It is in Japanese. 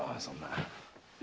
そんな。